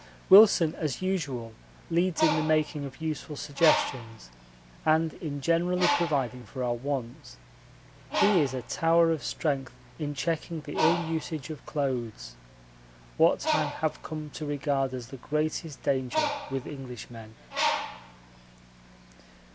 Wilson as usual leads in the making of useful suggestions and in generally providing for our wants. He is a tower of strength in checking the ill usage of clothes what I have come to regard as the greatest danger with Englishmen.